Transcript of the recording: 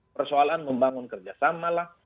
persoalan membangun kerjasamalah